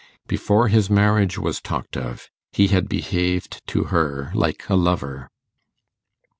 Before his marriage was talked of, he had behaved to her like a lover.